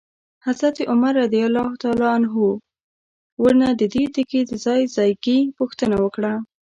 حضرت عمر رضی الله عنه ورنه ددې تیږي د ځای ځایګي پوښتنه وکړه.